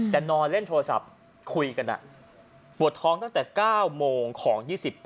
แต่นอนเล่นโทรศัพท์คุยกันปวดท้องตั้งแต่๙โมงของ๒๘